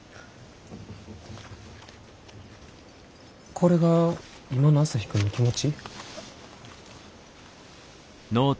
これが今の朝陽君の気持ち？